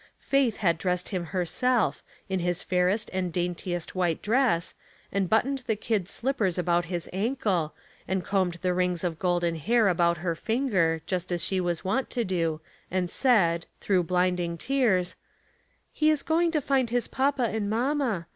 Faith had dressed him herself, in his fairest and daintiest white dress, and buttoned the kid slippers about his ankle, and combed the rings of golden hair about her finger, just as she was wont to do, and said, through blinding tears, *' He is going to find his papa and mamma.